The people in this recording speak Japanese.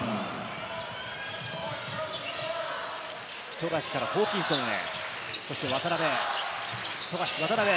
富樫からホーキンソンへ、そして渡邊。